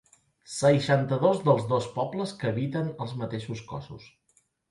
Seixanta-dos dels dos pobles que habiten els mateixos cossos.